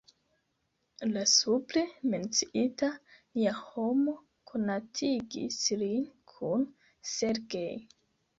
La supre menciita Nia Homo konatigis lin kun Sergej.